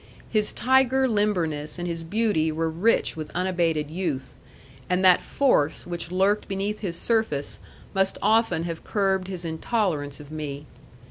His tiger limberness and his beauty were rich with unabated youth; and that force which lurked beneath his surface must often have curbed his intolerance of me.